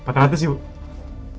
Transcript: masih ada yang mau ngomongin